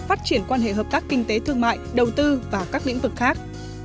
phát triển quan hệ hợp tác kinh tế thương mại đầu tư và các lĩnh vực khác